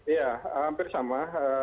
ya hampir sama